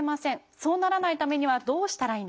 そうならないためにはどうしたらいいのか。